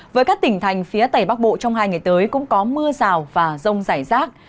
với các tỉnh thành phía tầy bắc bộ trong hai ngày tới cũng có mưa rào và rông rải rác